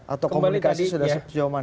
atau komunikasi sudah sejauh mana